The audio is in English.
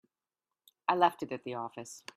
I left it at the office.